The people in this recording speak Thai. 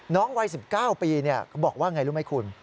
น้องวัย๑๙ปีบอกว่าอย่างไรรู้ไหมคุณ